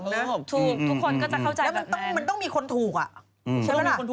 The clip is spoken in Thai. แล้วมันต้องมีคนถูกน่ะ